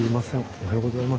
おはようございます。